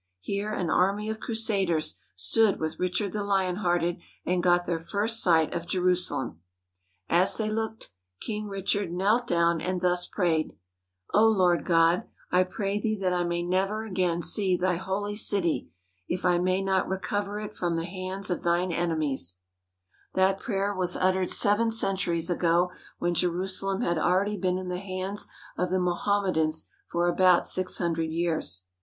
Here an army of crusaders stood with Richard the Lion Hearted and got their first sight of Jerusalem. As they looked King Richard knelt down and thus prayed: "O Lord God, I pray Thee that I may never again see Thy Holy City if I may not recover it from the hands of thine enemies." 154 AMONG THE SAMARITANS That prayer was uttered seven centuries ago when Jerusalem had already been in the hands of the Moham medans for about six hundred years.